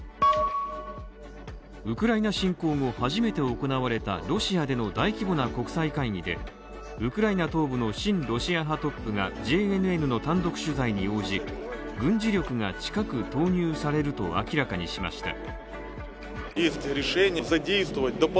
ウクライナ侵攻後、初めて行われたロシアでの大規模な国際会議でウクライナ東部の親ロシア派トップがＪＮＮの単独取材に応じ、軍事力が近く投入されると明らかにしました。